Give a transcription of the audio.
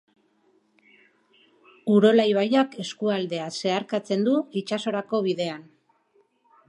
Urola ibaiak eskualdea zeharkatzen du itsasorako bidean.